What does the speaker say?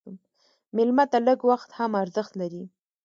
مېلمه ته لږ وخت هم ارزښت لري.